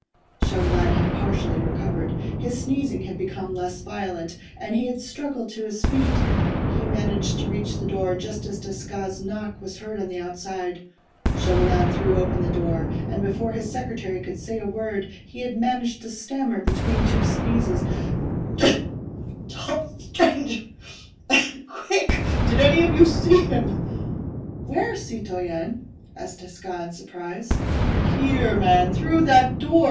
Chauvelin had partially recovered; his sneezing had become less violent, and he had struggled to his feet. He managed to reach the door just as Desgas' knock was heard on the outside. Chauvelin threw open the door, and before his secretary could say a word, he had managed to stammer between two sneezes— "The tall stranger—quick!—did any of you see him?" "Where, citoyen?" asked Desgas, in surprise. "Here, man! through that door!